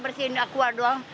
bersihin akwa doang